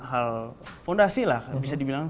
hal fondasi lah bisa dibilang